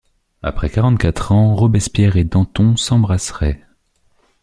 Après quarante-quatre ans, Robespierre et Danton s’embrasseraient.